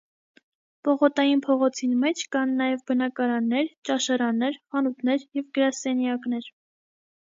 Պողոտային փողոցին մէջ կան նաեւ բնակարաններ, ճաշարաններ, խանութներ եւ գրասենեակներ։